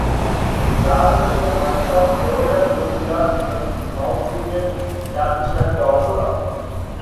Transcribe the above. He traveled through much of Lower Nubia to the Makurian capital at Dongola.